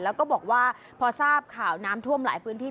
แล้วก็บอกว่าพอทราบข่าวน้ำท่วมหลายพื้นที่